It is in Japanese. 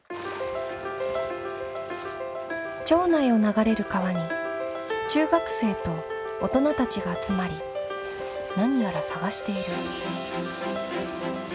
町内を流れる川に中学生と大人たちが集まり何やら探している。